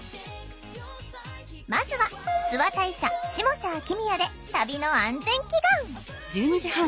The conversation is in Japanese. まずは諏訪大社下社秋宮で旅の安全祈願。